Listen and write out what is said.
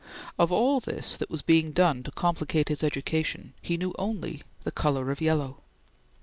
Of all this that was being done to complicate his education, he knew only the color of yellow.